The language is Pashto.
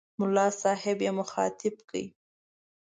ملا صاحب یې مخاطب کړ.